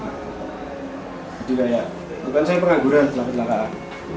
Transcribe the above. jadi kayak kan saya pengangguran telah telah kak